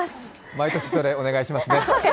毎年それお願いしますね。